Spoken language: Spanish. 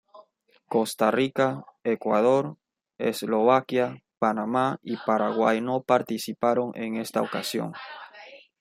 Costa Rica, Ecuador, Eslovaquia, Panamá y Paraguay no participaron en esta ocasión.